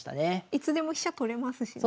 いつでも飛車取れますしね。